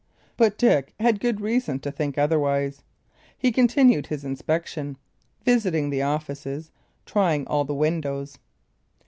But Dick had good reason to think otherwise. He continued his inspection, visiting the offices, trying all the windows.